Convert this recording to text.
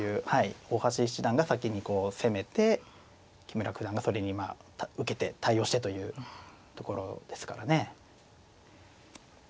大橋七段が先にこう攻めて木村九段がそれにまあ受けて対応してというところですからね。